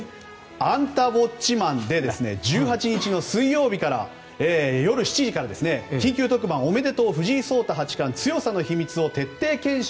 「アンタウォッチマン！」で１８日の水曜日、夜７時から「緊急特番！おめでとう藤井聡太八冠強さの秘密を徹底検証